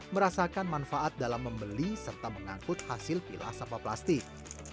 merasakan manfaat dalam membeli serta mengangkut hasil pilah sampah plastik